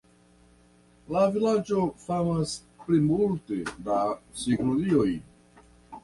La vilaĝo famas pri multe da cikonioj.